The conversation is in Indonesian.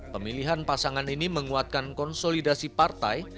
pemilihan pasangan ini menguatkan konsolidasi partai